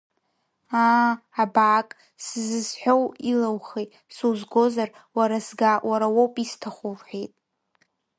Аа, абаак, сзызҳәоу илаухи, сузгозар, уара сга, уара уоуп исҭаху, — лҳәеит.